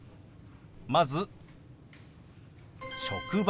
まず「職場」。